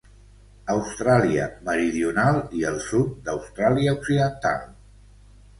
Austràlia Meridional i el sud d'Austràlia Occidental.